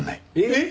えっ！？